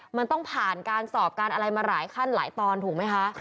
มันต้องผ่านการสอบการอะไรมาหลายขั้นหลายตอนถูกไหมคะ